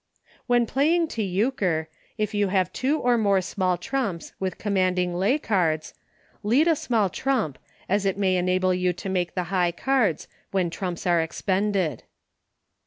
When playing to Euchre, if you have two or more small trumps with commanding lay cards, lead a small trump as it may enable you to make the high cards when trumps are expended.